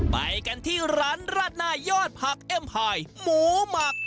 ไปกันที่ร้านราดหน้ายอดผักเอ็มพายหมูหมัก